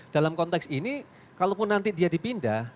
dalam konteks ini kalaupun nanti dia dipindah